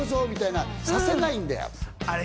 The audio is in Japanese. みたいなのをさせないんだよ。